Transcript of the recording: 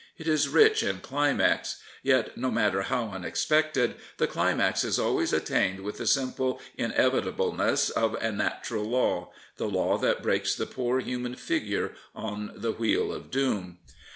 It is rich in climax, yet, no matter how unexpected, the climax is always attained with the simple inevitableness of a natural law — the Jaw that breaks the poor human figure on the wheel of doom.